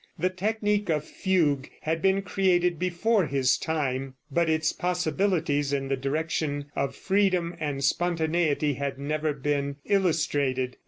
The technique of fugue had been created before his time, but its possibilities in the direction of freedom and spontaneity had never been illustrated.